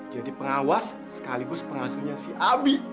jadi pengawas sekaligus pengasuhnya si abi